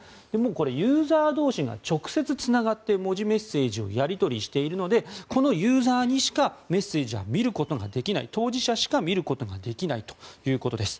ユーザー同士が直接つながって文字メッセージをやり取りしているのでこのユーザーにしかメッセージは見ることしかできない当事者しか見ることができないということです。